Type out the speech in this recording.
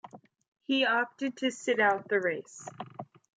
He opted to sit out the race.